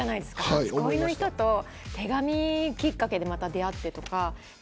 初恋の人と手紙きっかけでまた出会ってとか。